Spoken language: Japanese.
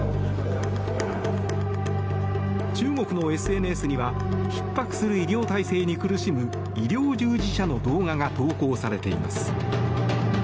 中国のＳＮＳにはひっ迫する医療体制に苦しむ医療従事者の動画が投稿されています。